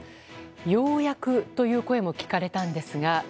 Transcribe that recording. ようやくという声も聞かれたんですが。